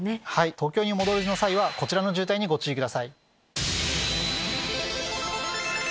東京にお戻りの際はこちらの渋滞にご注意ください。